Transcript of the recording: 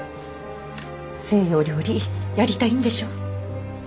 西洋料理やりたいんでしょ？